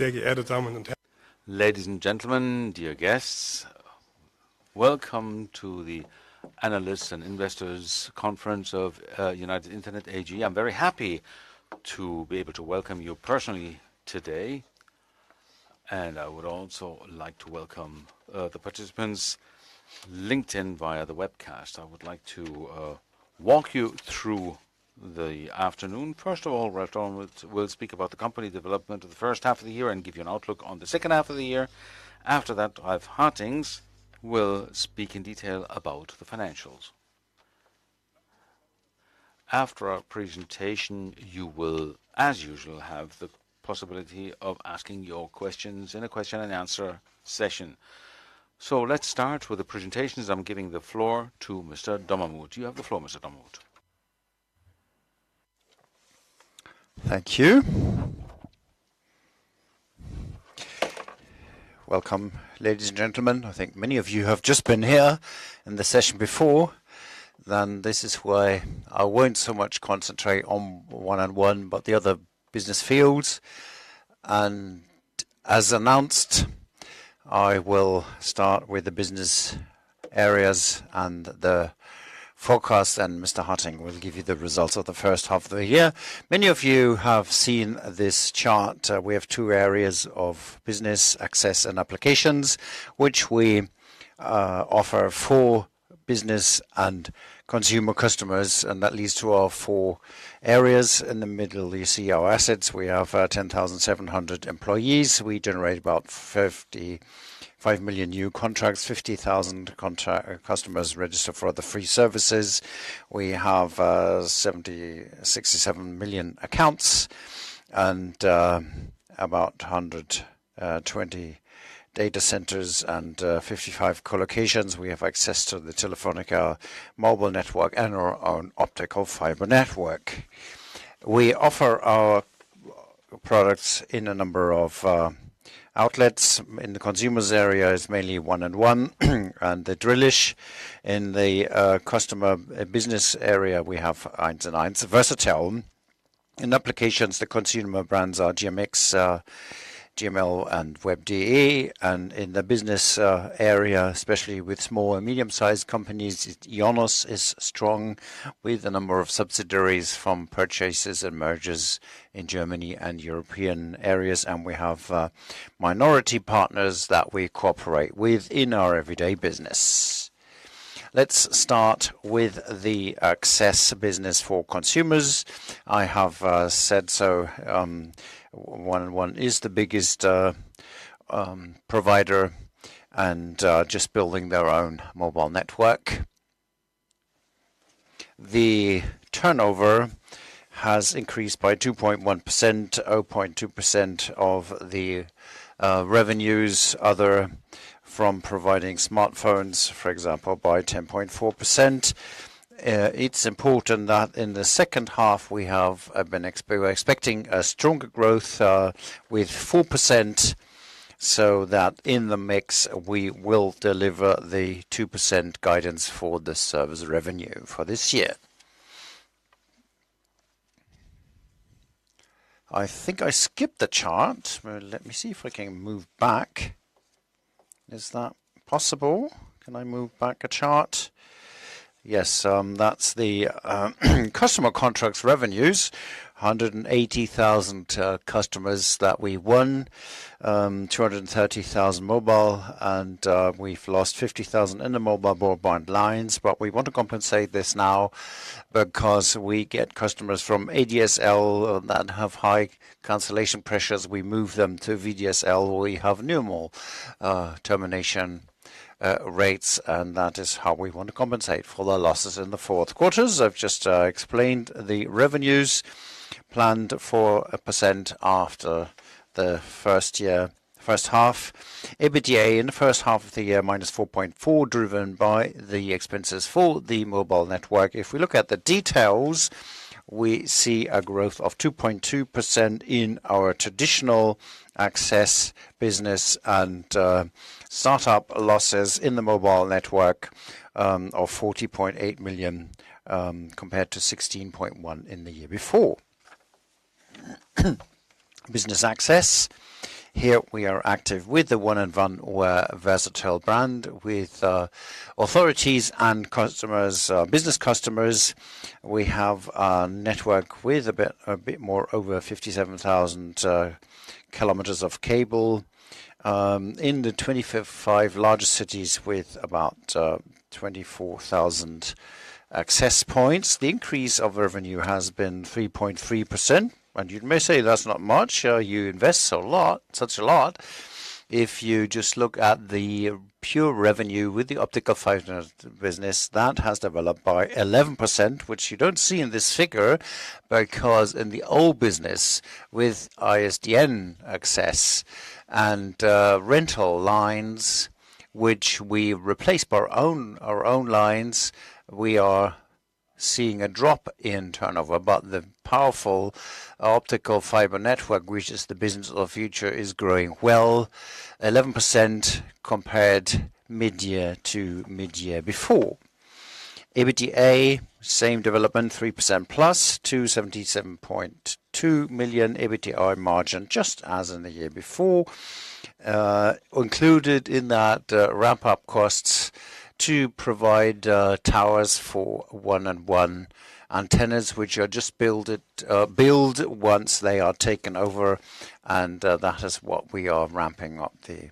Ladies and gentlemen, dear guests, welcome to the Analysts and Investors Conference of United Internet AG. I'm very happy to be able to welcome you personally today, and I would also like to welcome the participants linked in via the webcast. I would like to walk you through the afternoon. First of all, Ralph Dommermuth will speak about the company development of the first half of the year and give you an outlook on the second half of the year. After that, Ralf Hartings will speak in detail about the financials. After our presentation, you will, as usual, have the possibility of asking your questions in a question-and-answer session. Let's start with the presentations. I'm giving the floor to Mr. Dommermuth. You have the floor, Mr. Dommermuth. Thank you. Welcome, ladies and gentlemen. I think many of you have just been here in the session before, then this is why I won't so much concentrate on 1&1, but the other business fields. As announced, I will start with the business areas and the forecast, and Mr. Hartings will give you the results of the first half of the year. Many of you have seen this chart. We have two areas of business: access and applications, which we offer for business and consumer customers, and that leads to our four areas. In the middle, you see our assets. We have 10,700 employees. We generate about 55 million new contracts, 50,000 customers register for the free services. We have 67 million accounts and about 120 data centers and 55 collocations. We have access to the Telefonica mobile network and our own optical fiber network. We offer our products in a number of outlets. In the consumers area, it's mainly 1&1, and the Drillisch. In the customer business area, we have 1&1, Versatel. In applications, the consumer brands are GMX, Gmail, and WEB.DE. In the business area, especially with small and medium-sized companies, IONOS is strong with a number of subsidiaries from purchases and mergers in Germany and European areas, and we have minority partners that we cooperate with in our everyday business. Let's start with the access business for consumers. I have said so, 1&1 is the biggest provider and just building their own mobile network. The turnover has increased by 2.1%, 0.2% of the revenues, other from providing smartphones, for example, by 10.4%. It's important that in the second half, we have been expecting a stronger growth with 4%, so that in the mix, we will deliver the 2% guidance for the service revenue for this year. I think I skipped a chart. Well, let me see if I can move back. Is that possible? Can I move back a chart? Yes, that's the customer contracts revenues. 180,000 customers that we won, 230,000 mobile, and we've lost 50,000 in the mobile broadband lines. We want to compensate this now because we get customers from ADSL that have high cancellation pressures. We move them to VDSL, where we have no more termination rates. That is how we want to compensate for the losses in the fourth quarters. I've just explained the revenues planned for a percent after the first year, first half. EBITDA in the first half of the year, -4.4, driven by the expenses for the mobile network. If we look at the details, we see a growth of 2.2% in our traditional access business and startup losses in the mobile network of 40.8 million compared to 16.1 in the year before. Business access. Here we are active with the 1&1 Versatel brand, with authorities and customers, business customers. We have a network with a bit, a bit more over 57,000 km of cable in the 25 largest cities, with about 24,000 access points. The increase of revenue has been 3.3%. You may say that's not much, you invest a lot, such a lot. If you just look at the pure revenue with the optical fiber business, that has developed by 11%, which you don't see in this figure, because in the old business with ISDN access and rental lines, which we replaced by our own, our own lines, we are seeing a drop in turnover. The powerful optical fiber network, which is the business of the future, is growing well, 11% compared mid-year to mid-year before. EBITDA, same development, 3% plus to 77.2 million. EBITDA margin, just as in the year before, included in that, ramp-up costs to provide towers for 1&1 antennas, which are just build it, build once they are taken over, that is what we are ramping up the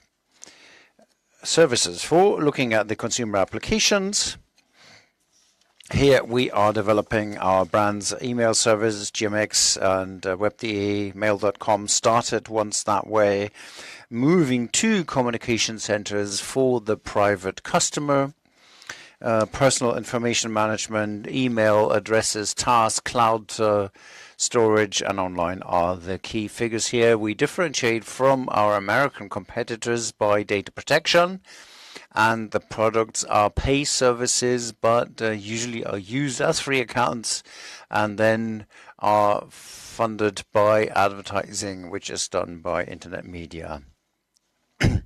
services for. Looking at the consumer applications, here we are developing our brands email services, GMX and WEB.DE, Mail.com started once that way, moving to communication centers for the private customer. Personal information management, email addresses, tasks, cloud storage, and online are the key figures here. We differentiate from our American competitors by data protection, the products are pay services, but usually are used as free accounts and then are funded by advertising, which is done by Internet Media. We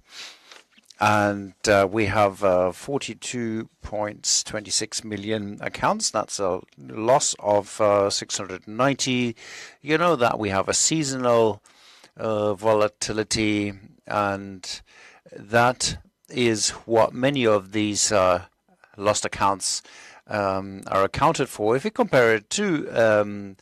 have 42.26 million accounts. That's a loss of 690. You know that we have a seasonal volatility, and that is what many of these lost accounts are accounted for. If you compare it to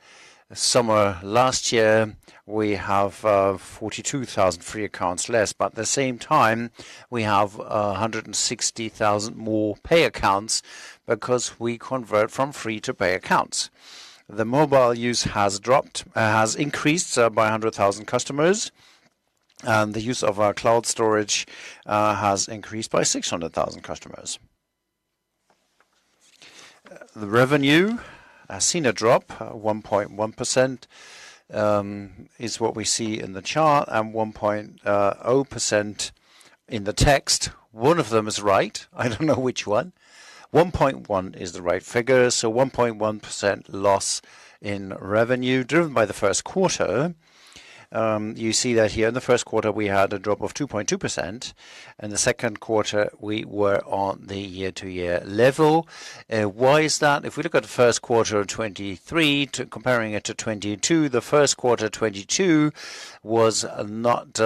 summer last year, we have 42,000 free accounts less, but at the same time, we have 160,000 more pay accounts because we convert from free to pay accounts. The mobile use has increased by 100,000 customers, and the use of our cloud storage has increased by 600,000 customers. The revenue has seen a drop. 1.1% is what we see in the chart, and 1.0% in the text. One of them is right. I don't know which one. 1.1 is the right figure, so 1.1% loss in revenue driven by the first quarter. You see that here in the first quarter, we had a drop of 2.2%, and the second quarter, we were on the year-to-year level. Why is that? If we look at the first quarter of 2023 comparing it to 2022, the first quarter 2022 was not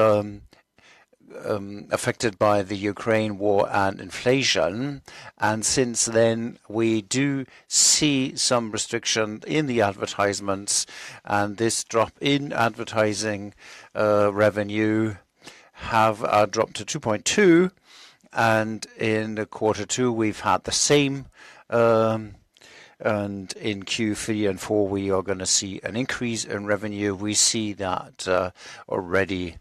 affected by the Ukraine war and inflation, and since then, we do see some restriction in the advertisements, and this drop in advertising revenue have dropped to 2.2, and in the quarter two, we've had the same. And in Q3 and four, we are going to see an increase in revenue. We see that already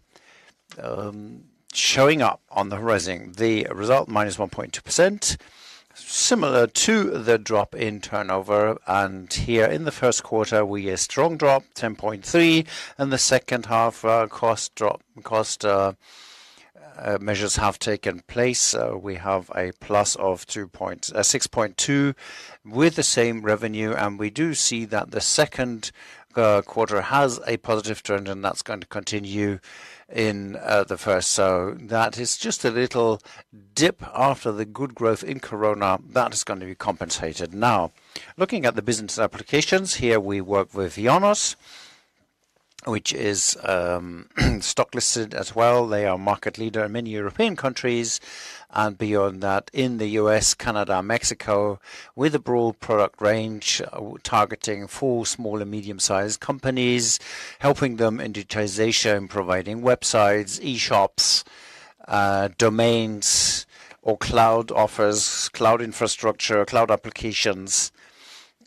showing up on the horizon. The result, -1.2%, similar to the drop in turnover. Here in the first quarter, we a strong drop, 10.3, the second half, cost measures have taken place. We have a plus of 6.2 with the same revenue. We do see that the second quarter has a positive trend, that's going to continue in the first. That is just a little dip after the good growth in Corona. That is going to be compensated. Now, looking at the business applications, here we work with IONOS, which is stock listed as well. They are market leader in many European countries and beyond that, in the US, Canada, Mexico, with a broad product range, targeting for small and medium-sized companies, helping them in digitization, providing websites, e-shops, domains or cloud offers, cloud infrastructure, cloud applications,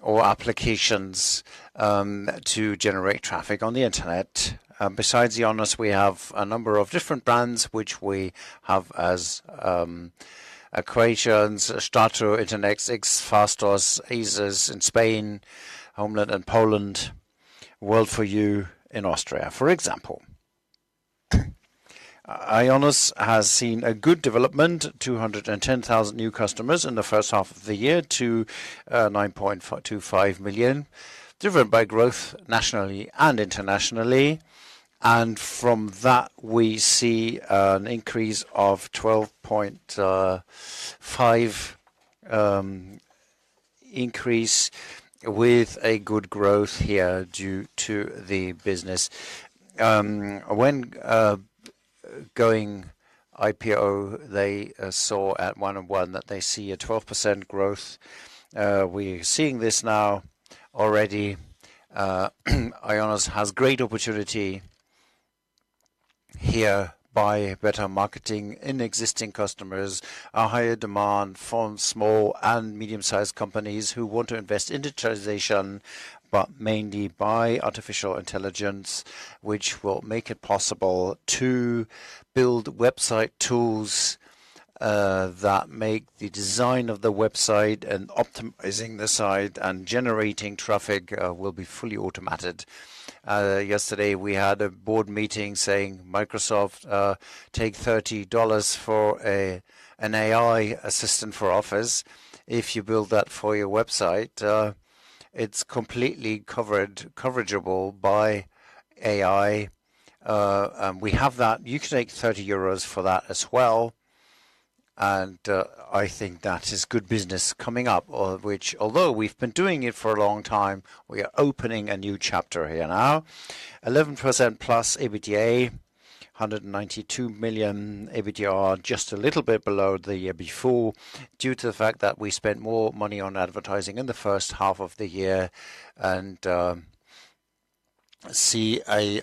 or applications to generate traffic on the Internet. Besides IONOS, we have a number of different brands, which we have as acquisitions, STRATO, InterNetX, Fasthosts, Arsys in Spain, home.pl in Poland, World4You in Austria, for example. IONOS has seen a good development, 210,000 new customers in the first half of the year to 9.25 million, driven by growth nationally and internationally. From that, we see an increase of 12.5 increase with a good growth here due to the business. When going IPO, they saw at 1&1 that they see a 12% growth. We seeing this now already. IONOS has great opportunity here by better marketing in existing customers, a higher demand from small and medium-sized companies who want to invest in digitization, but mainly by artificial intelligence, which will make it possible to build website tools that make the design of the website and optimizing the site and generating traffic will be fully automated. Yesterday, we had a board meeting saying Microsoft take $30 for an AI assistant for office. If you build that for your website, it's completely coverable by AI. We have that. You can take 30 euros for that as well. I think that is good business coming up, which although we've been doing it for a long time, we are opening a new chapter here now. 11% plus EBITDA, 192 million EBITDA, just a little bit below the year before, due to the fact that we spent more money on advertising in the first half of the year and see a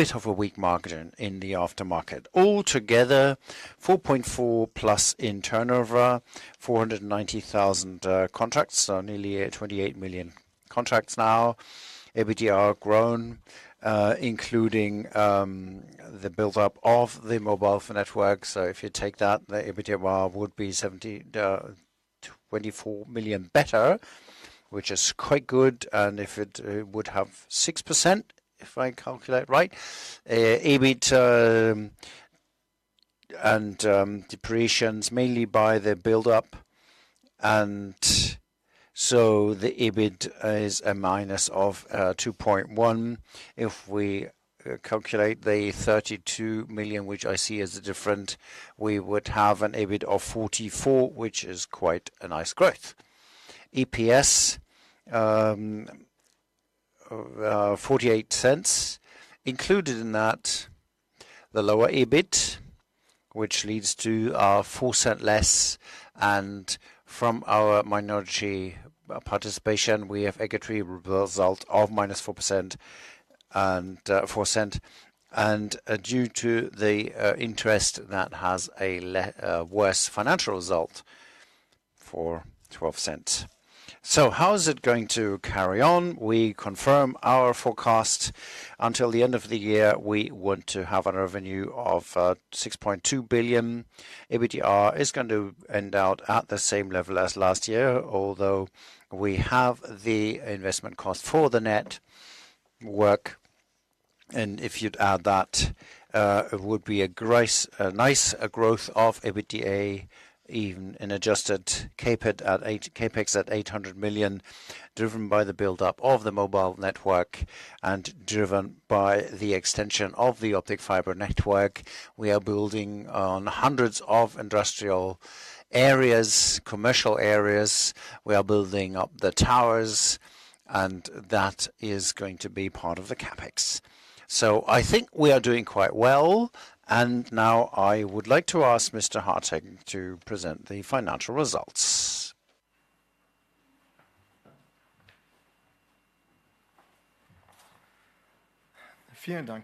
bit of a weak marketing in the aftermarket. All together, 4.4+ in turnover, 490,000 contracts, so nearly 28 million contracts now. EBITDA grown, including the build-up of the mobile phone network. If you take that, the EBITDA would be 24 million better, which is quite good, and if it would have 6%, if I calculate right. EBIT and depreciations, mainly by the build-up. The EBIT is a minus of 2.1. If we calculate the 32 million, which I see as a different, we would have an EBIT of 44 million, which is quite a nice growth. EPS EUR 0.48. Included in that, the lower EBIT, which leads to 0.04 less, and from our minority participation, we have equity result of -4% and 0.04. Due to the interest that has a worse financial result for 0.12. How is it going to carry on? We confirm our forecast. Until the end of the year, we want to have a revenue of 6.2 billion. EBITDA is going to end out at the same level as last year, although we have the investment cost for the network. If you'd add that, it would be a nice growth of EBITDA, even an adjusted CapEx at 800 million, driven by the build-up of the mobile network and driven by the extension of the optic fiber network. We are building on hundreds of industrial areas, commercial areas. We are building up the towers, and that is going to be part of the CapEx. I think we are doing quite well, and now I would like to ask Mr. Hartings to present the financial results. Well,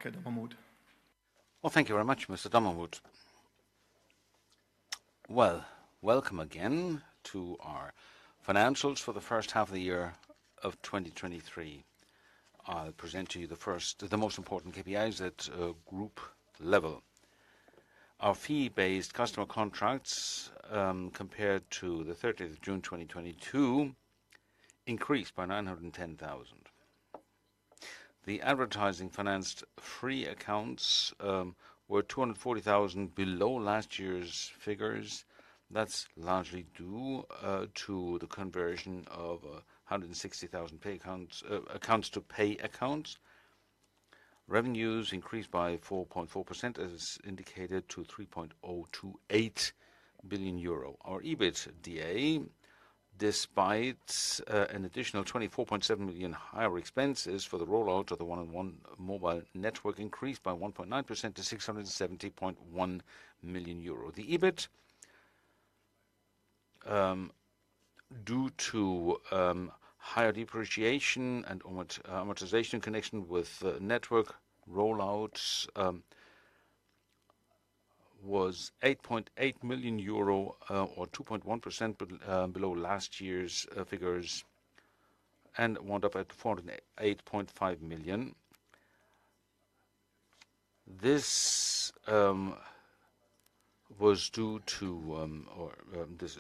thank you very much, Mr. Dommermuth. Well, welcome again to our financials for the first half of the year of 2023. I'll present to you the first, the most important KPIs at group level. Our fee-based customer contracts, compared to the 13th of June 2022, increased by 910,000. The advertising-financed free accounts were 240,000 below last year's figures. That's largely due to the conversion of 160,000 accounts to pay accounts. Revenues increased by 4.4%, as indicated, to 3.028 billion euro. Our EBITDA, despite an additional 24.7 million higher expenses for the rollout of the 1&1 mobile network, increased by 1.9% to EUR 670.1 million. The EBIT, due to higher depreciation and amortization in connection with network rollouts, was 8.8 million euro or 2.1% below last year's figures and wound up at 408.5 million. This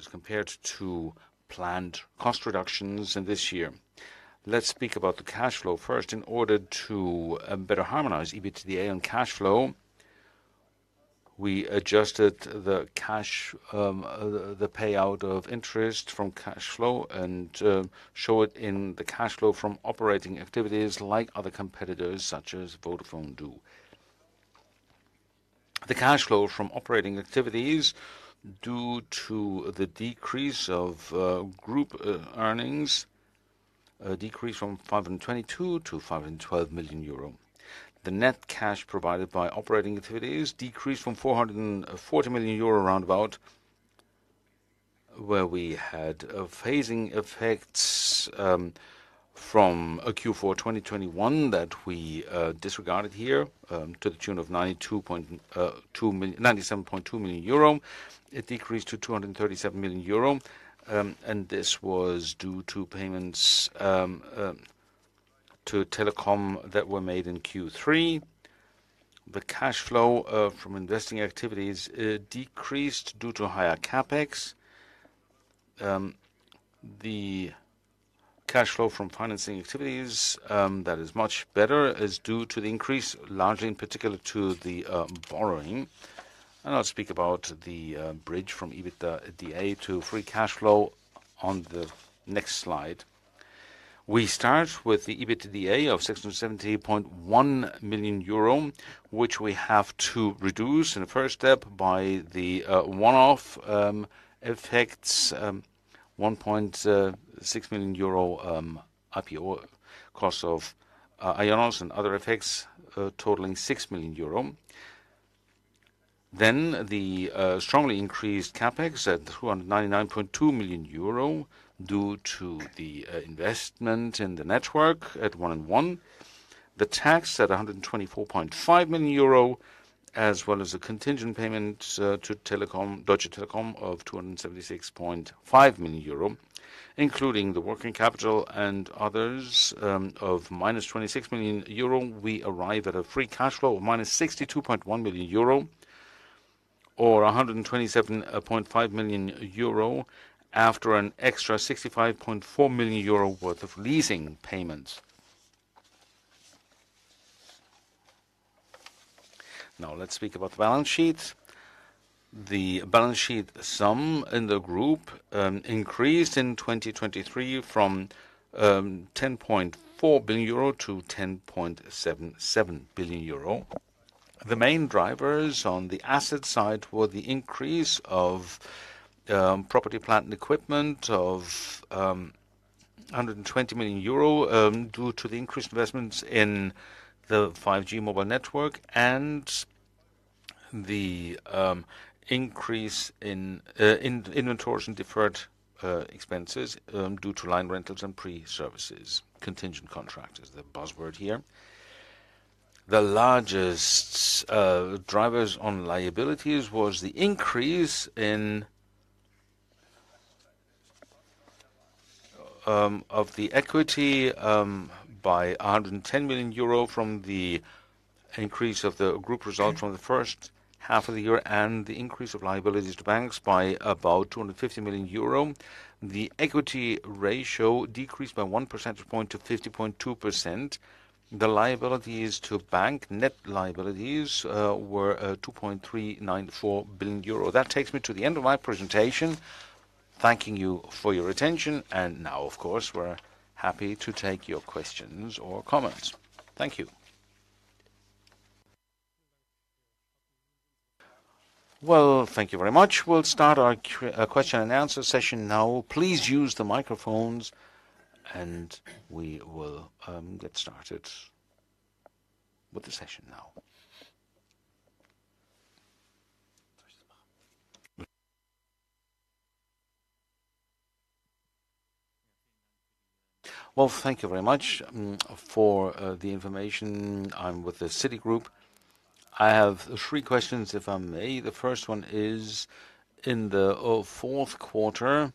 is compared to planned cost reductions in this year. Let's speak about the cash flow first. In order to better harmonize EBITDA and cash flow, we adjusted the payout of interest from cash flow and show it in the cash flow from operating activities like other competitors, such as Vodafone do. The cash flow from operating activities, due to the decrease of group earnings, decreased from 522 to 512 million euro. The net cash provided by operating activities decreased from 440 million euro, roundabout, where we had phasing effects from Q4 2021 that we disregarded here to the tune of 97.2 million euro. It decreased to 237 million euro, and this was due to payments to telecom that were made in Q3. The cash flow from investing activities decreased due to higher CapEx. The cash flow from financing activities that is much better, is due to the increase, largely in particular to the borrowing. I'll speak about the bridge from EBITDA to free cash flow on the next slide. We start with the EBITDA of 670.1 million euro, which we have to reduce in the first step by the one-off effects, 1.6 million euro, IPO cost of IONOS and other effects, totaling 6 million euro. The strongly increased CapEx at 299.2 million euro due to the investment in the network at 1&1. The tax at 124.5 million euro, as well as a contingent payment to Deutsche Telekom of 276.5 million euro, including the working capital and others, of -26 million euro. We arrive at a free cash flow of minus 62.1 million euro, or 127.5 million euro after an extra 65.4 million euro worth of leasing payments. Now, let's speak about balance sheets. The balance sheet sum in the group increased in 2023 from 10.4 billion euro to 10.77 billion euro. The main drivers on the asset side were the increase of property, plant, and equipment of 120 million euro due to the increased investments in the 5G mobile network and the increase in inventories and deferred expenses due to line rentals and pre-services. Contingent contract is the buzzword here. The largest drivers on liabilities was the increase in of the equity by 110 million euro from the increase of the group results from the first half of the year and the increase of liabilities to banks by about 250 million euro. The equity ratio decreased by 1 percentage point to 50.2%. The liabilities to bank, net liabilities, were 2.394 billion euro. That takes me to the end of my presentation. Thanking you for your attention, now, of course, we're happy to take your questions or comments. Thank you. Well, thank you very much. We'll start our question-and-answer session now. Please use the microphones, and we will get started with the session now. Well, thank you very much for the information. I'm with the Citigroup. I have three questions, if I may. The first one is, in the fourth quarter,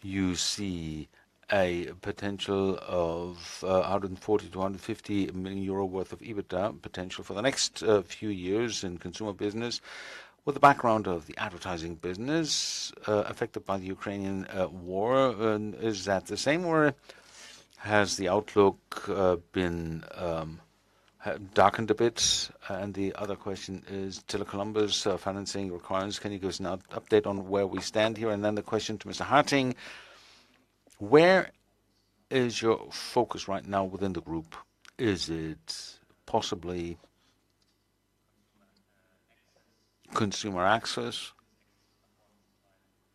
you see a potential of 140 million-150 million euro worth of EBITDA potential for the next few years in consumer business. With the background of the advertising business, affected by the Ukrainian war, is that the same, or has the outlook been darkened a bit? The other question is, Tele Columbus financing requirements. Can you give us an update on where we stand here? The question to Mr. Harting: Where is your focus right now within the group? Is it possibly consumer access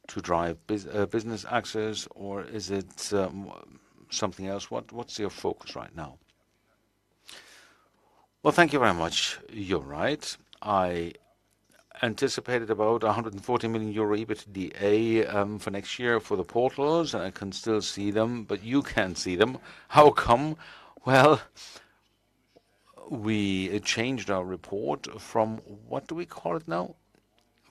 to drive business access, or is it something else? What, what's your focus right now? Well, thank you very much. You're right. I anticipated about 140 million euro EBITDA for next year for the portals, and I can still see them, but you can't see them. How come? Well, we changed our report from. What do we call it now?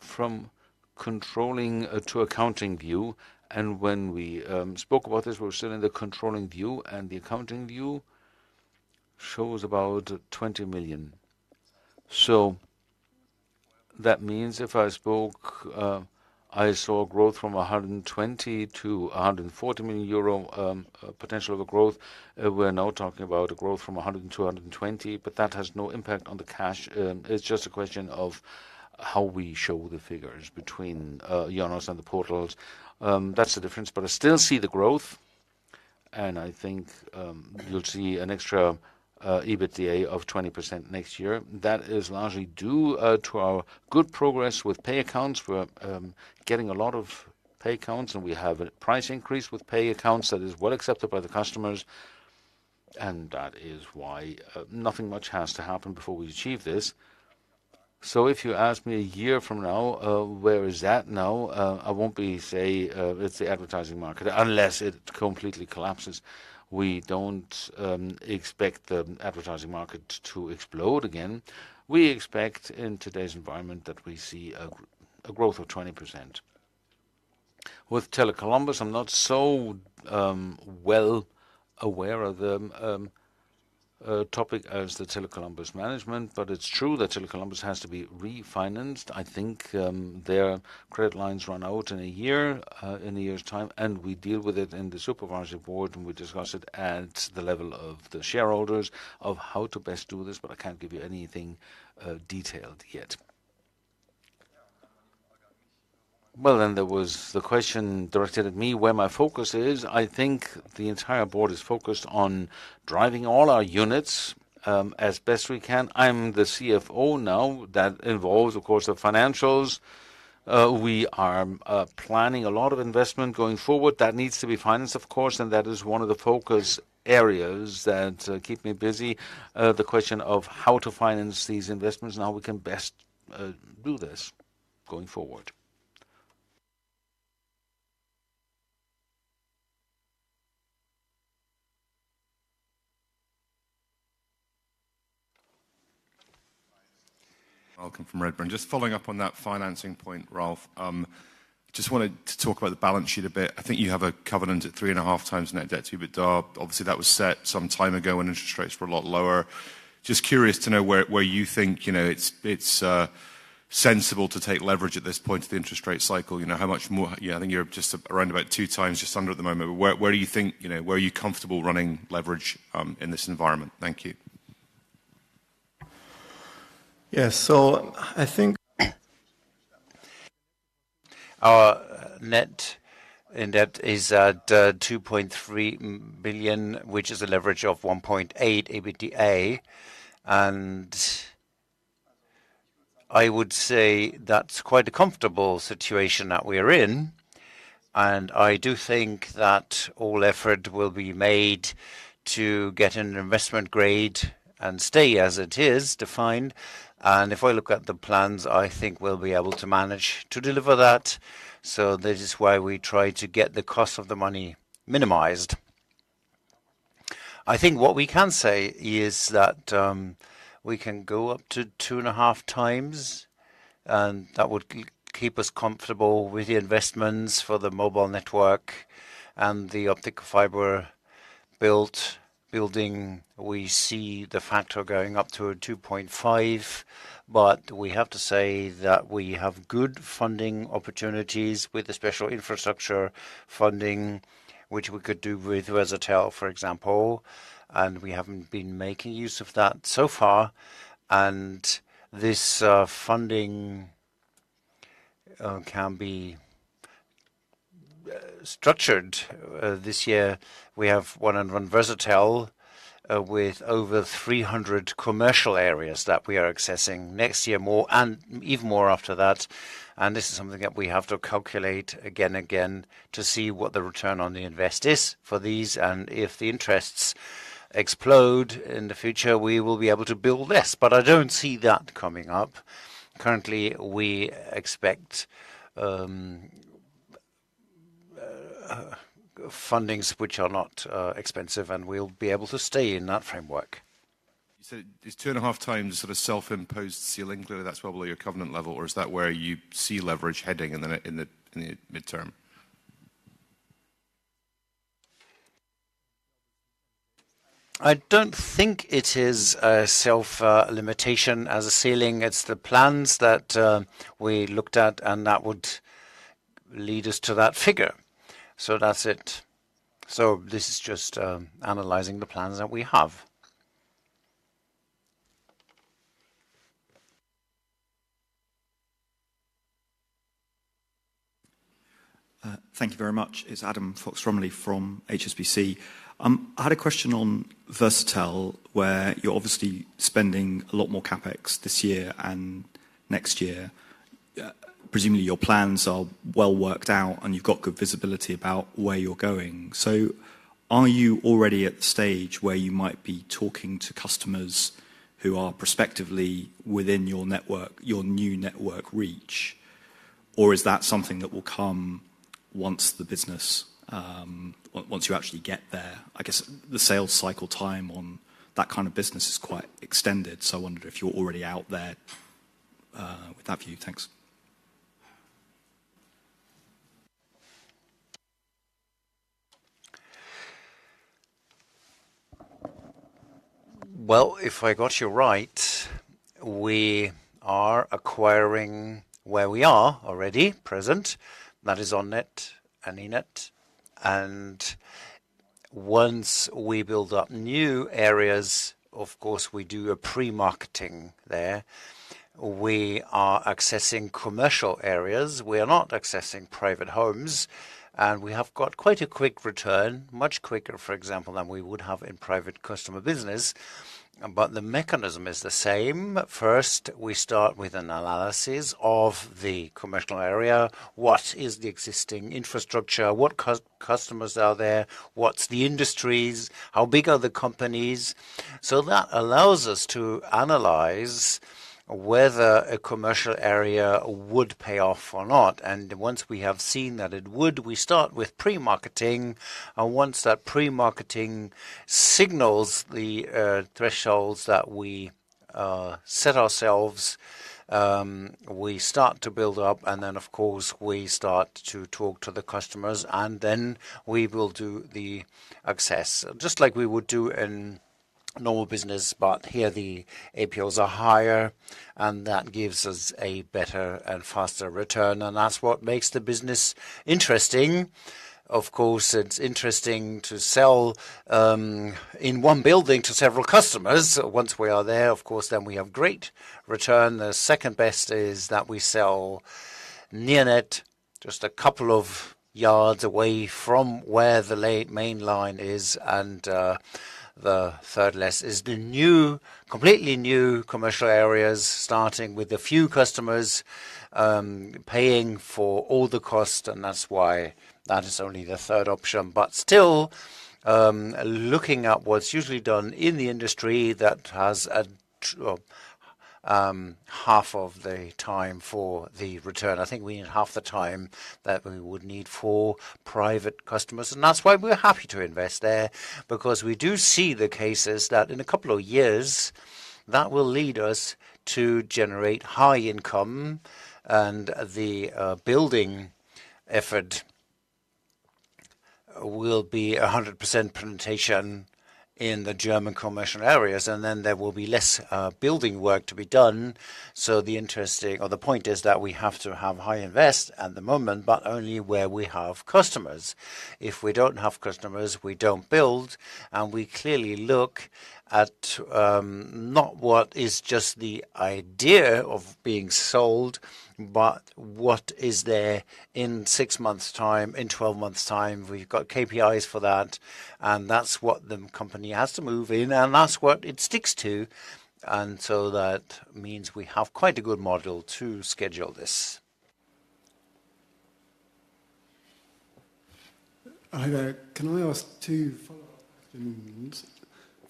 From controlling to accounting view, and when we spoke about this, we were still in the controlling view, and the accounting view shows about EUR 20 million. That means if I spoke, I saw growth from 120 million-140 million euro potential of a growth. We're now talking about a growth from 100 million-220 million, but that has no impact on the cash. It's just a question of how we show the figures between IONOS and the portals. That's the difference, but I still see the growth, and I think, you'll see an extra EBITDA of 20% next year. That is largely due to our good progress with pay accounts. We're getting a lot of pay accounts, and we have a price increase with pay accounts that is well accepted by the customers, and that is why nothing much has to happen before we achieve this. If you ask me a year from now, where is that now? I won't be say it's the advertising market, unless it completely collapses. We don't expect the advertising market to explode again. We expect in today's environment that we see a growth of 20%. With Tele Columbus, I'm not so well aware of the topic as the Tele Columbus management. It's true that Tele Columbus has to be refinanced. I think their credit lines run out in a year, in a year's time. We deal with it in the supervisory board. We discuss it at the level of the shareholders of how to best do this. I can't give you anything detailed yet. There was the question directed at me, where my focus is. I think the entire board is focused on driving all our units as best we can. I'm the CFO now. That involves, of course, the financials. We are planning a lot of investment going forward. That needs to be financed, of course, and that is one of the focus areas that keep me busy. The question of how to finance these investments and how we can best do this going forward. Welcome from Redburn. Just following up on that financing point, Ralf, just wanted to talk about the balance sheet a bit. I think you have a covenant at 3.5 times net debt to EBITDA. Obviously, that was set some time ago when interest rates were a lot lower. Just curious to know where, where you think, you know, it's, it's, sensible to take leverage at this point of the interest rate cycle? You know, how much more yeah, I think you're just around about two times, just under at the moment. Where, where do you think, you know, where are you comfortable running leverage, in this environment? Thank you. Yeah. I think our net debt is at 2.3 billion, which is a leverage of 1.8 EBITDA, I would say that's quite a comfortable situation that we are in, I do think that all effort will be made to get an investment grade and stay as it is defined. If I look at the plans, I think we'll be able to manage to deliver that. This is why we try to get the cost of the money minimized. I think what we can say is that we can go up to 2.5 times, that would keep us comfortable with the investments for the mobile network and the optical fiber building. We see the factor going up to a 2.5, but we have to say that we have good funding opportunities with the special infrastructure funding, which we could do with Versatel, for example, and we haven't been making use of that so far. This funding can be structured. This year, we have 1&1 Versatel with over 300 commercial areas that we are accessing. Next year, more and even more after that, and this is something that we have to calculate again and again to see what the return on the invest is for these. If the interests explode in the future, we will be able to build less. I don't see that coming up. Currently, we expect fundings which are not expensive, and we'll be able to stay in that framework. You said is 2.5x sort of self-imposed ceiling, clearly, that's probably your covenant level, or is that where you see leverage heading in the midterm? I don't think it is a self limitation as a ceiling. It's the plans that we looked at, and that would lead us to that figure. That's it. This is just analyzing the plans that we have. Thank you very much. It's Adam Fox-Rumley from HSBC. I had a question on Versatel, where you're obviously spending a lot more CapEx this year and next year. Presumably, your plans are well worked out, and you've got good visibility about where you're going. Are you already at the stage where you might be talking to customers who are prospectively within your network, your new network reach, or is that something that will come once the business once you actually get there? I guess the sales cycle time on that kind of business is quite extended, so I wondered if you're already out there with that view. Thanks. Well, if I got you right, we are acquiring where we are already present, that is on-net and in-net. Once we build up new areas, of course, we do a pre-marketing there. We are accessing commercial areas. We are not accessing private homes, we have got quite a quick return, much quicker, for example, than we would have in private customer business, but the mechanism is the same. First, we start with an analysis of the commercial area, what is the existing infrastructure? What customers are there? What's the industries? How big are the companies? That allows us to analyze whether a commercial area would pay off or not, and once we have seen that it would, we start with pre-marketing, and once that pre-marketing signals the thresholds that we set ourselves, we start to build up, and then, of course, we start to talk to the customers, and then we will do the access. Just like we would do in normal business, but here the APOs are higher, and that gives us a better and faster return, and that's what makes the business interesting. Of course, it's interesting to sell in one building to several customers. Once we are there, of course, then we have great. return. The second best is that we sell near net, just a couple of yards away from where the main line is, and the third less is the new, completely new commercial areas, starting with a few customers, paying for all the cost, and that's why that is only the third option. Still, looking at what's usually done in the industry, that has a half of the time for the return. I think we need half the time that we would need for private customers, and that's why we're happy to invest there, because we do see the cases that in a couple of years, that will lead us to generate high income, and the building effort will be 100% presentation in the German commercial areas, and then there will be less building work to be done. The interesting or the point is that we have to have high invest at the moment, but only where we have customers. If we don't have customers, we don't build, and we clearly look at not what is just the idea of being sold, but what is there in six months time, in 12 months time. We've got KPIs for that, and that's what the company has to move in, and that's what it sticks to. That means we have quite a good model to schedule this. Hi there. Can I ask two follow-up questions?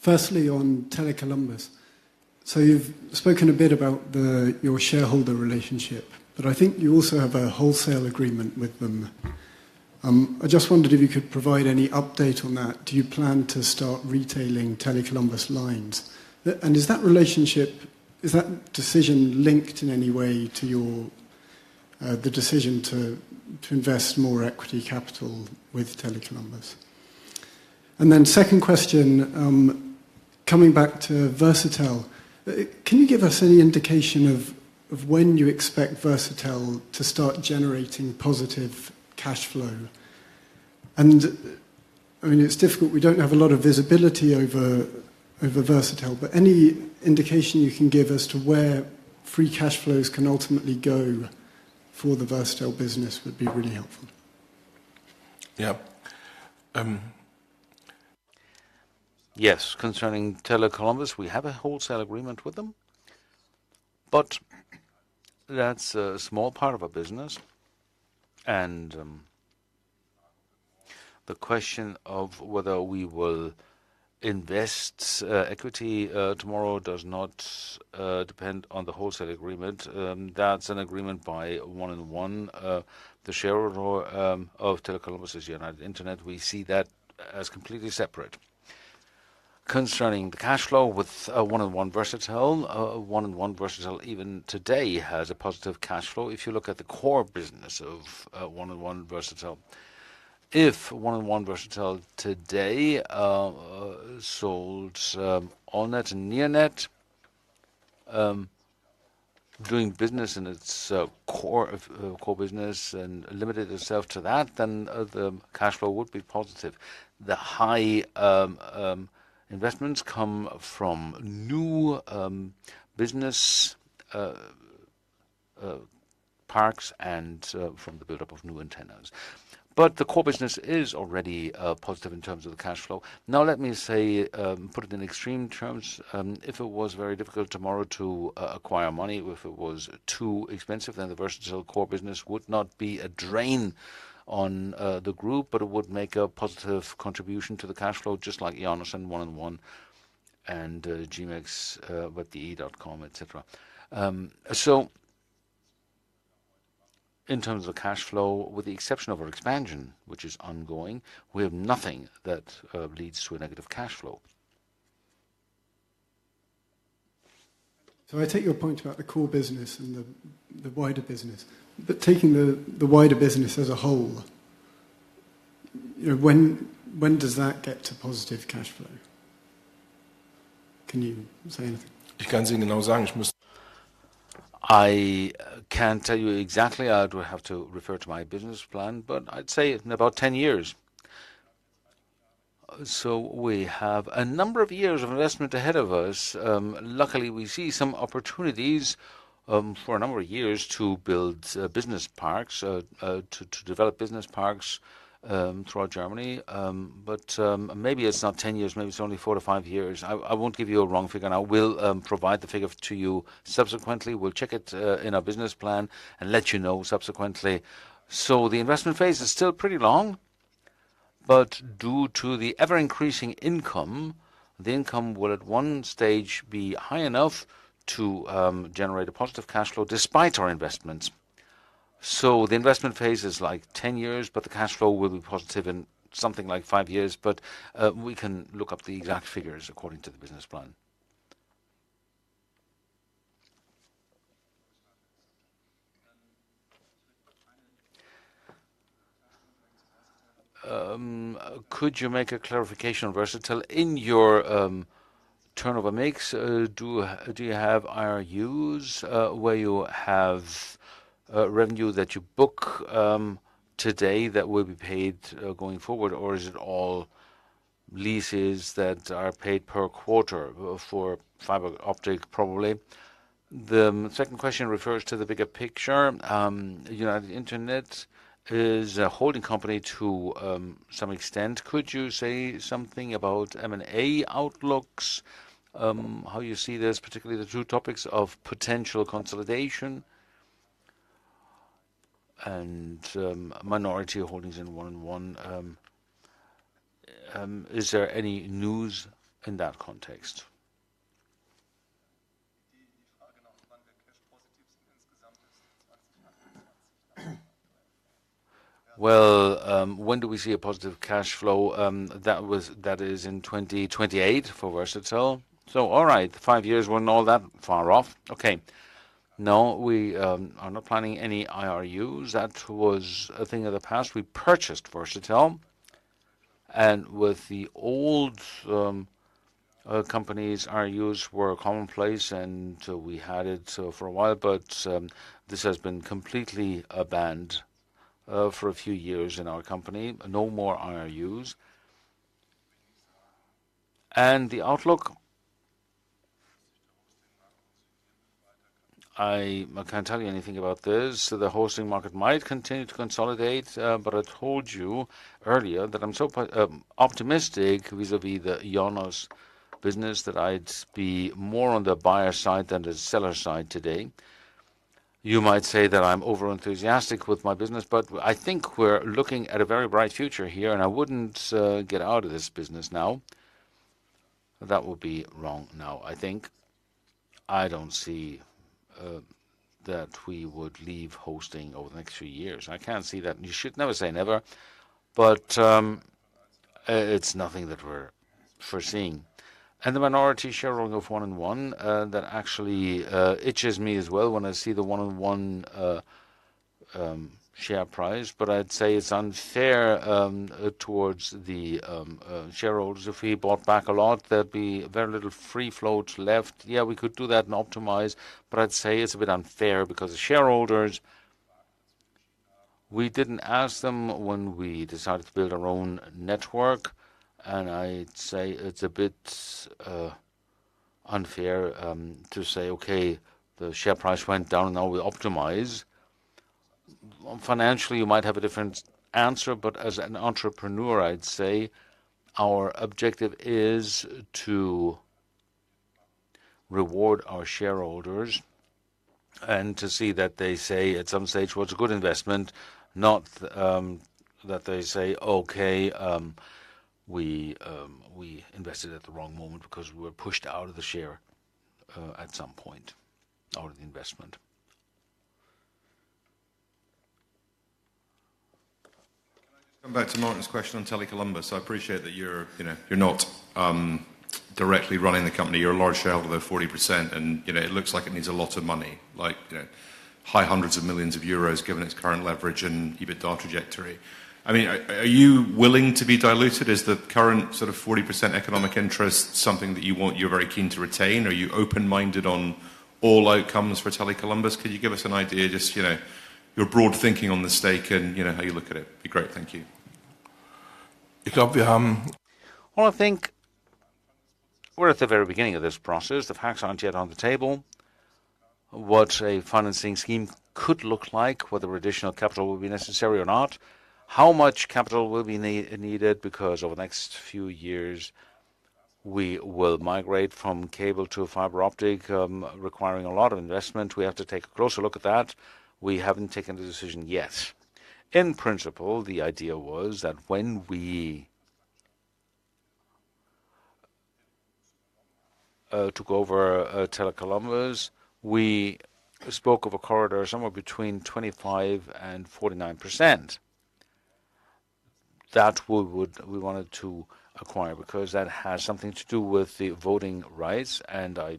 Firstly, on Tele Columbus. You've spoken a bit about the, your shareholder relationship, but I think you also have a wholesale agreement with them. I just wondered if you could provide any update on that. Do you plan to start retailing Tele Columbus lines? Is that relationship, is that decision linked in any way to your, the decision to invest more equity capital with Tele Columbus? Second question, coming back to Versatel. Can you give us any indication of, of when you expect Versatel to start generating positive cash flow? I mean, it's difficult. We don't have a lot of visibility over, over Versatel, but any indication you can give as to where free cash flows can ultimately go for the Versatel business would be really helpful. Yeah. Yes, concerning Tele Columbus, we have a wholesale agreement with them, but that's a small part of our business. The question of whether we will invest equity tomorrow does not depend on the wholesale agreement. That's an agreement by 1&1. The shareholder of Tele Columbus is United Internet. We see that as completely separate. Concerning the cash flow with 1&1 Versatel, 1&1 Versatel, even today, has a positive cash flow. If you look at the core business of 1&1 Versatel. If 1&1 Versatel today sold on-net and near-net, doing business in its core core business and limited itself to that, then the cash flow would be positive. The high investments come from new business parks and from the buildup of new antennas. The core business is already positive in terms of the cash flow. Now, let me say, put it in extreme terms. If it was very difficult tomorrow to acquire money, or if it was too expensive, then the Versatel core business would not be a drain on the group, but it would make a positive contribution to the cash flow, just like IONOS and 1&1 and GMX with the e.com, et cetera. In terms of cash flow, with the exception of our expansion, which is ongoing, we have nothing that leads to a negative cash flow. I take your point about the core business and the, the wider business, but taking the, the wider business as a whole, you know, when, when does that get to positive cash flow? Can you say anything? I can tell you exactly. I'd have to refer to my business plan, but I'd say in about 10 years. We have a number of years of investment ahead of us. Luckily, we see some opportunities for a number of years to build business parks, to develop business parks throughout Germany. But maybe it's not 10 years, maybe it's only 4-five years. I, I won't give you a wrong figure, and I will provide the figure to you subsequently. We'll check it in our business plan and let you know subsequently. The investment phase is still pretty long, but due to the ever-increasing income, the income will at one stage be high enough to generate a positive cash flow despite our investments. The investment phase is like 10 years, but the cash flow will be positive in something like five years, we can look up the exact figures according to the business plan. Could you make a clarification on Versatel? In your turnover makes, do you have IRUs where you have revenue that you book today that will be paid going forward, or is it all- leases that are paid per quarter for fiber optic, probably. The second question refers to the bigger picture. United Internet is a holding company to some extent. Could you say something about M&A outlooks? How you see this, particularly the two topics of potential consolidation and minority holdings in 1&1. Is there any news in that context? Well, when do we see a positive cash flow? That is in 2028 for Versatel. All right, five years weren't all that far off. Okay. No, we are not planning any IRUs. That was a thing of the past. We purchased Versatel, and with the old companies, IRUs were commonplace, and we had it for a while, but this has been completely banned for a few years in our company. No more IRUs. The outlook? I can't tell you anything about this. The hosting market might continue to consolidate, but I told you earlier that I'm so far optimistic vis-à-vis the IONOS business, that I'd be more on the buyer side than the seller side today. You might say that I'm over-enthusiastic with my business, but I think we're looking at a very bright future here, and I wouldn't get out of this business now. That would be wrong now, I think. I don't see that we would leave hosting over the next few years. I can't see that. You should never say never, but it's nothing that we're foreseeing. The minority shareholding of 1&1, that actually itches me as well when I see the 1&1 share price, but I'd say it's unfair towards the shareholders. If we bought back a lot, there'd be very little free float left. Yeah, we could do that and optimize, but I'd say it's a bit unfair because the shareholders, we didn't ask them when we decided to build our own network, and I'd say it's a bit unfair to say, "Okay, the share price went down, and now we optimize." Financially, you might have a different answer, but as an entrepreneur, I'd say our objective is to reward our shareholders and to see that they say at some stage, "Well, it's a good investment," not that they say, "Okay, we invested at the wrong moment because we were pushed out of the share at some point out of the investment. Can I just come back to Russell's question on Tele Columbus? I appreciate that you're, you know, you're not directly running the company. You're a large shareholder, 40%, and, you know, it looks like it needs a lot of money, like, you know, high hundreds of millions of EUR given its current leverage and EBITDA trajectory. I mean, are you willing to be diluted? Is the current sort of 40% economic interest something that you want, you're very keen to retain, or are you open-minded on all outcomes for Tele Columbus? Could you give us an idea, just, you know, your broad thinking on the stake and, you know, how you look at it? Be great. Thank you. Well, I think we're at the very beginning of this process. The facts aren't yet on the table. What a financing scheme could look like, whether additional capital will be necessary or not, how much capital will be needed, because over the next few years, we will migrate from cable to fiber optic, requiring a lot of investment. We have to take a closer look at that. We haven't taken the decision yet. In principle, the idea was that when we took over Tele Columbus, we spoke of a corridor somewhere between 25% and 49%. We wanted to acquire, because that has something to do with the voting rights, and I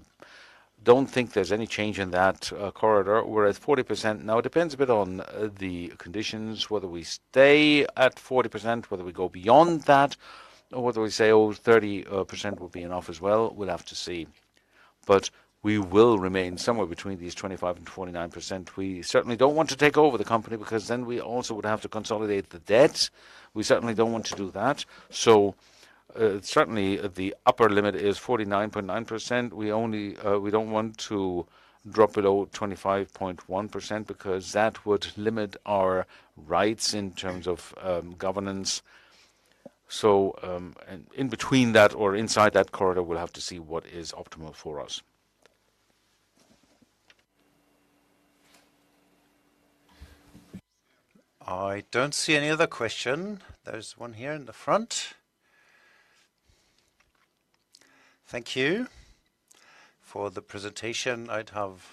don't think there's any change in that corridor. We're at 40% now. It depends a bit on the conditions, whether we stay at 40%, whether we go beyond that, or whether we say, "Oh, 30% will be enough as well." We'll have to see. We will remain somewhere between these 25% and 49%. We certainly don't want to take over the company, because then we also would have to consolidate the debt. We certainly don't want to do that. Certainly, certainly, the upper limit is 49.9%. We only. We don't want to drop below 25.1%, because that would limit our rights in terms of governance. In between that or inside that corridor, we'll have to see what is optimal for us. I don't see any other question. There's one here in the front. Thank you for the presentation. I'd have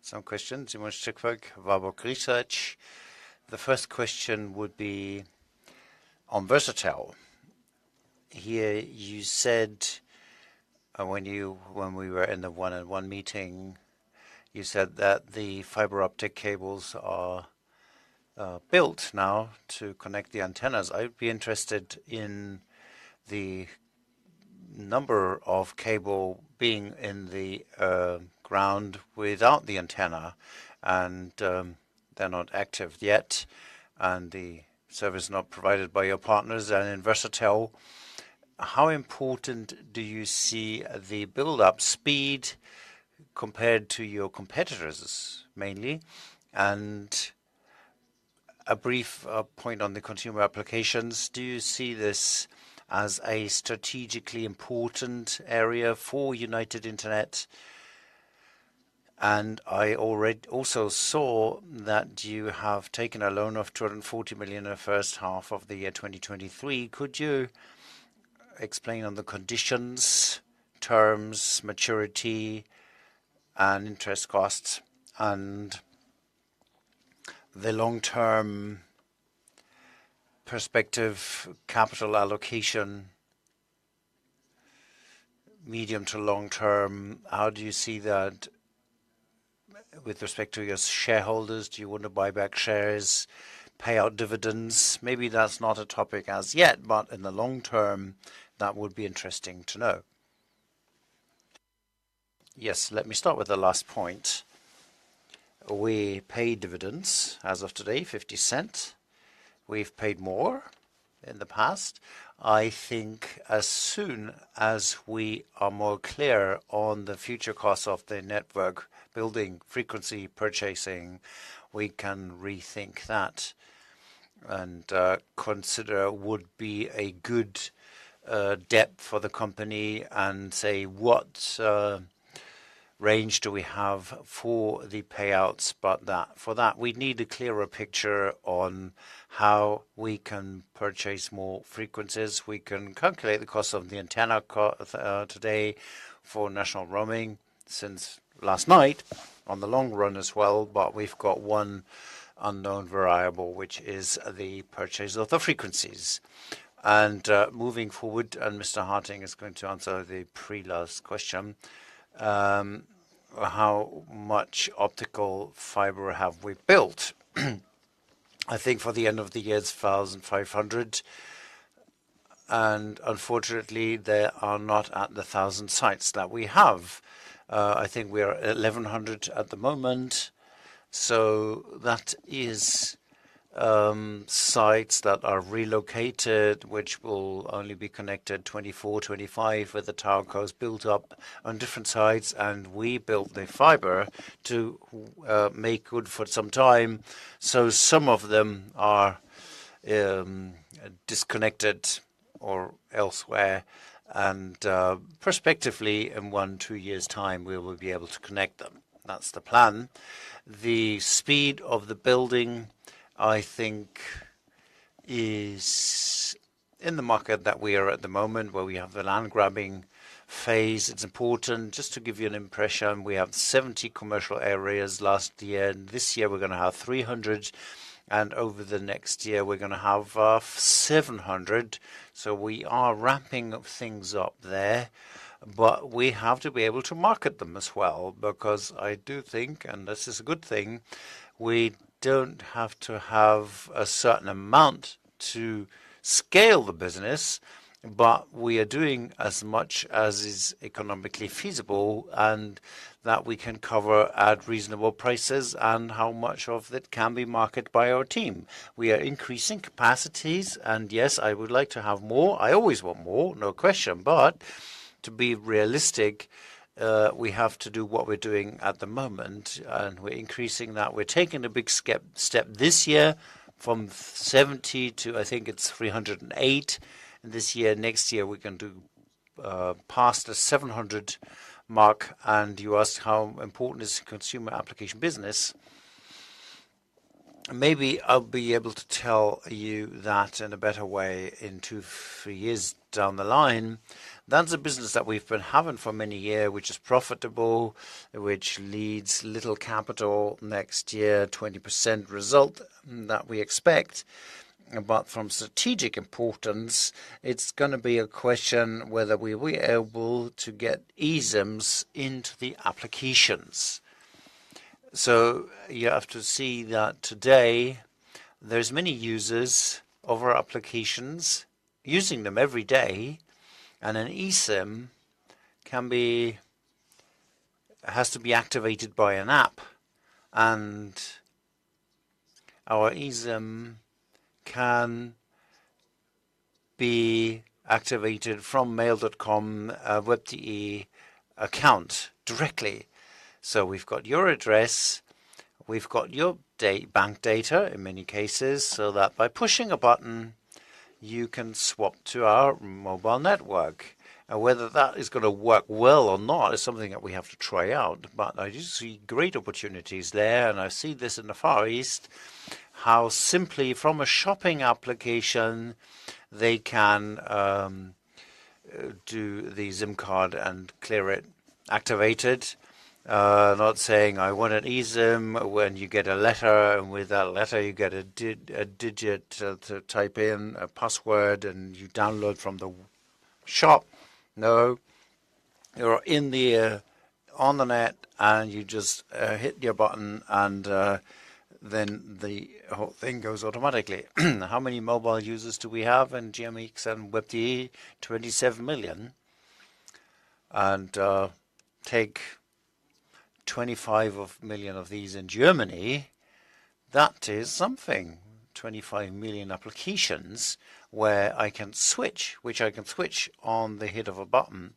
some questions. Simon Stippig, Warburg Research. The first question would be on Versatel. Here, you said, when we were in the one-on-one meeting, you said that the fiber optic cables are built now to connect the antennas. I'd be interested in the number of cable being in the ground without the antenna, and they're not active yet, and the service not provided by your partners and in Versatel. How important do you see the build-up speed compared to your competitors, mainly? A brief point on the consumer applications. Do you see this as a strategically important area for United Internet? I also saw that you have taken a loan of 240 million in the first half of the year 2023. Could you explain on the conditions, terms, maturity, and interest costs, and the long-term perspective capital allocation, medium to long term? How do you see that with respect to your shareholders? Do you want to buy back shares, pay out dividends? Maybe that's not a topic as yet, in the long term, that would be interesting to know. Yes, let me start with the last point. We pay dividends as of today, 0.50. We've paid more in the past. I think as soon as we are more clear on the future costs of the network, building frequency purchasing, we can rethink that and consider would be a good debt for the company and say, what range do we have for the payouts? For that, we need a clearer picture on how we can purchase more frequencies. We can calculate the cost of the antenna co- today for national roaming since last night, on the long run as well, but we've got one unknown variable, which is the purchase of the frequencies. Moving forward, Mr. Hartings is going to answer the pre-last question. How much optical fiber have we built? I think for the end of the year, it's 1,500, and unfortunately, they are not at the 1,000 sites that we have. I think we are at 1,100 at the moment, so that is, sites that are relocated, which will only be connected 2024, 2025, with the towercos built up on different sites, and we built the fiber to make good for some time. Some of them are disconnected or elsewhere, and perspectively, in one, two years' time, we will be able to connect them. That's the plan. The speed of the building, I think, is in the market that we are at the moment, where we have the land-grabbing phase. It's important. Just to give you an impression, we have 70 commercial areas last year, and this year we're gonna have 300, and over the next year, we're gonna have 700. We are wrapping things up there, we have to be able to market them as well, because I do think, and this is a good thing, we don't have to have a certain amount to scale the business, but we are doing as much as is economically feasible and that we can cover at reasonable prices and how much of it can be marketed by our team. We are increasing capacities, and yes, I would like to have more. I always want more, no question, but to be realistic, we have to do what we're doing at the moment, and we're increasing that. We're taking a big step this year from 70 to, I think it's 308 this year. Next year, we're going to pass the 700 mark, and you asked how important is the consumer application business. Maybe I'll be able to tell you that in a better way in two, three years down the line. That's a business that we've been having for many years, which is profitable, which needs little capital. Next year, 20% result that we expect. From strategic importance, it's gonna be a question whether we will be able to get eSIMs into the applications. You have to see that today, there's many users of our applications, using them every day, and an eSIM can be has to be activated by an app, and our eSIM can be activated from mail.com, WEB.DE account directly. We've got your address, we've got your bank data in many cases, so that by pushing a button, you can swap to our mobile network. Whether that is gonna work well or not, is something that we have to try out, but I do see great opportunities there, and I see this in the Far East, how simply from a shopping application, they can do the SIM card and clear it, activate it. Not saying I want an eSIM when you get a letter, and with that letter, you get a digit to type in, a password, and you download from the shop. No. You're in the on the net, and you just hit your button, and then the whole thing goes automatically. How many mobile users do we have in GMX and Web.de? 27 million. Take 25 million of these in Germany, that is something 25 million applications where I can switch which I can switch on the hit of a button.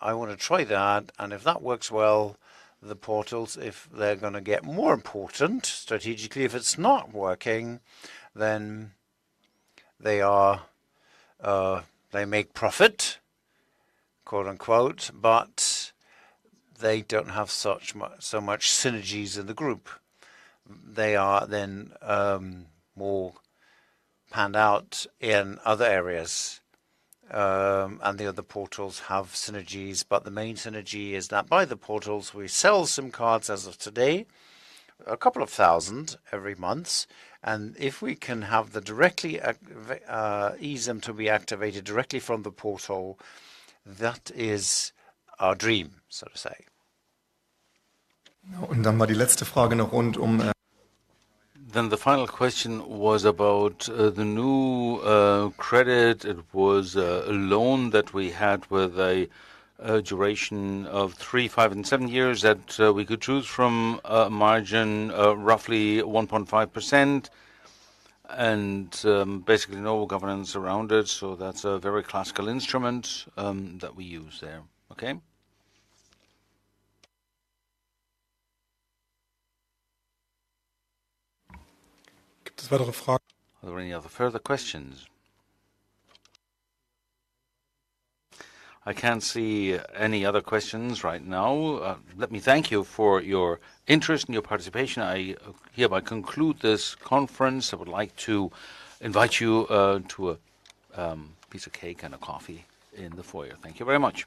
I want to try that. If that works well, the portals, if they're gonna get more important strategically, if it's not working, then they are, they make profit, quote, unquote, but they don't have so much synergies in the group. They are then, more panned out in other areas, and the other portals have synergies. The main synergy is that by the portals, we sell some cards as of today, a couple of thousand every month, and if we can have the directly ease them to be activated directly from the portal, that is our dream, so to say. The final question was about the new credit. It was a loan that we had with a duration of three, five, and seven years that we could choose from, a margin of roughly 1.5%, and basically no governance around it. That's a very classical instrument that we use there. Okay? Are there any other further questions? I can't see any other questions right now. Let me thank you for your interest and your participation. I hereby conclude this conference. I would like to invite you to a piece of cake and a coffee in the foyer. Thank you very much!